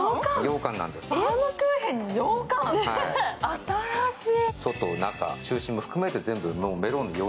新しい。